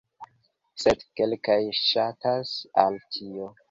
Sed kelkaj ŝatas al tio.